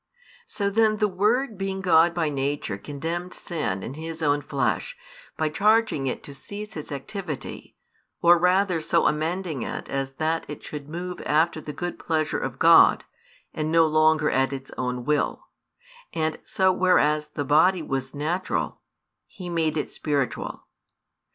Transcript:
So then the Word being God by nature condemned sin in His own flesh, by charging it to cease its activity, or rather so amending it as that it should move after the good pleasure of God, and no longer at its own will; and so whereas the body was natural, He made it spiritual.